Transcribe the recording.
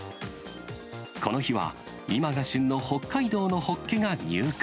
この日は、今が旬の北海道のホッケが入荷。